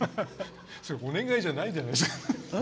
それお願いじゃないじゃないですか。